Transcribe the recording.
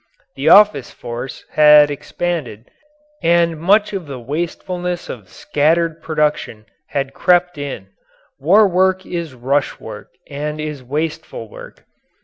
The office force had expanded and much of the wastefulness of scattered production had crept in. War work is rush work and is wasteful work.